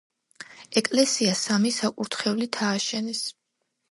ეკლესია სამი საკურთხევლით ააშენეს.